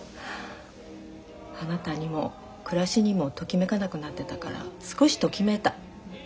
あなたにも暮らしにもときめかなくなってたから少しときめいた。